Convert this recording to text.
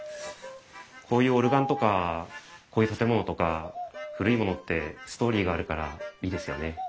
こういうオルガンとかこういう建物とか古いものってストーリーがあるからいいですよね。